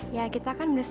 ya kita kan bersaudara